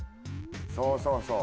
そうそうそう。